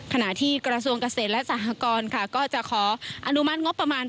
ขณะที่กระทรวงเกษตรและสหกรก็จะขออนุมัติงบประมาณ